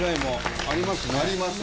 ありますね。